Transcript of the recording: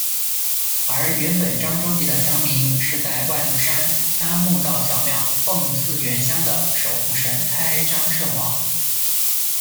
而原本漳州籍的乡民是在外木山搭木造小庙奉祀原乡的守护神开漳圣王。